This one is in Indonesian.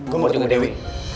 gue mau ke jenguk dewi